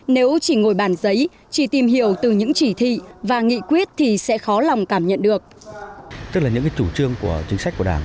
nếu chỉ ngồi bàn giấy chỉ tìm hiểu từ những chỉ thị và nghị quyết thì sẽ khó lòng cảm nhận được